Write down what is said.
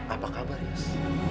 apa kabar yus